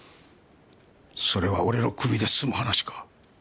それは俺のクビで済む話か？